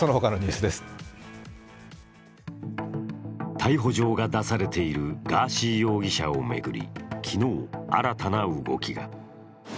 逮捕状が出されているガーシー容疑者を巡り、昨日、新たな動きが。